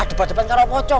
adep adepan kala pocong